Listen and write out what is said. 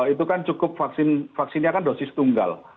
itu kan cukup vaksinnya kan dosis tunggal